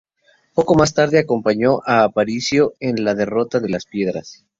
Poco más tarde acompañó a Aparicio en la derrota de Las Piedras.